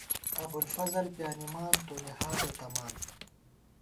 ابوالفضل بانِمان ، تونی حالہ تمان